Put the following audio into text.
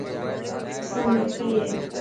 اسام ۾ ڪي هي.